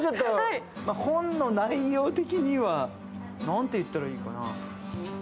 本の内容的にはなんて言ったらいいかな。